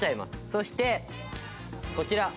そしてこちら。